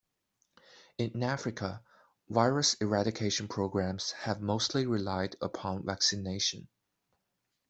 In Africa, virus eradication programs have mostly relied upon vaccination.